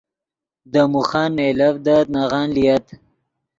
دے موخن نئیلڤدت نغن لییت